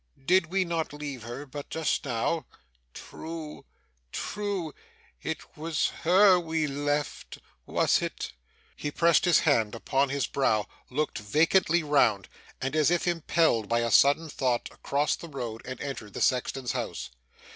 'Did we not leave her, but just now?' 'True. True. It was her we left was it?' He pressed his hand upon his brow, looked vacantly round, and as if impelled by a sudden thought, crossed the road, and entered the sexton's house.